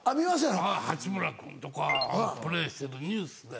八村君とかプレーしてるのニュースで。